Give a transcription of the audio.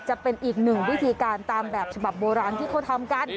จะเป็นอีกหนึ่งวิธีการตามแบบฉบับโบราณที่เขาทำกัน